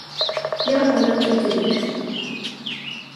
یا ہونا کہ جدید